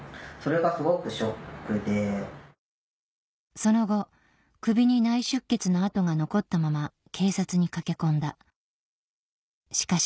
その後首に内出血の跡が残ったまま警察に駆け込んだしかし